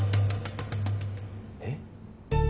えっ？